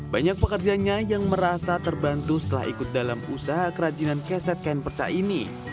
banyak pekerjanya yang merasa terbantu setelah ikut dalam usaha kerajinan keset kain perca ini